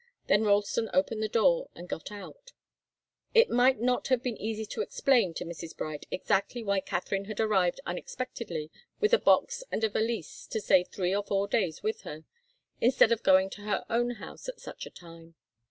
Then Ralston opened the door and got out. It might not have been easy to explain to Mrs. Bright exactly why Katharine had arrived unexpectedly with a box and a valise to stay three or four days with her, instead of going to her own house at such a time.